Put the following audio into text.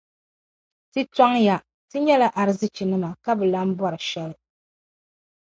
Ti tɔŋya; ti nyɛla arzichilaannima ka bi lan bɔri shɛli.